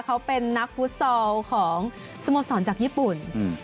เขาเป็นนักฟุตซอลของสโมสรจากญี่ปุ่น